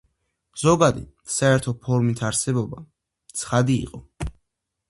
ზოგადი, საერთო ფორმის არსებობა ცხადი იყო.